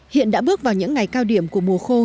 hiện đã bước vào những ngày cao điểm của mùa khô